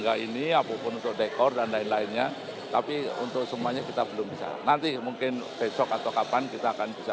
kapan kita akan bisa memperkuat